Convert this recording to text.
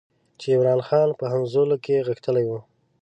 چې عمرا خان په همزولو کې غښتلی وو.